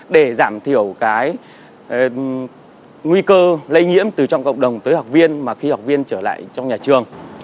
để giảm thiểu cái nguy cơ lây nhiễm từ trong cộng đồng tới học viên mà khi học viên trở lại trong nhà trường